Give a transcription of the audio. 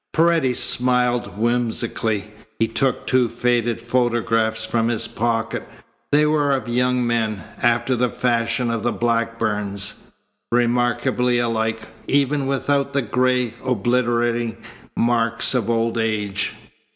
Paredes smiled whimsically. He took two faded photographs from his pocket. They were of young men, after the fashion of Blackburns, remarkably alike even without the gray, obliterating marks of old age.